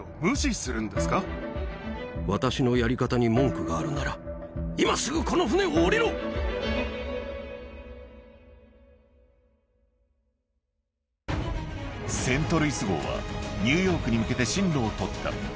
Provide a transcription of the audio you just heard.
私のやり方に文句があるなら、セントルイス号は、ニューヨークに向けて針路を取った。